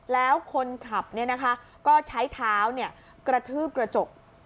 แล้วคนขับเนี้ยนะคะก็ใช้เท้าเนี้ยกระทืบกระจก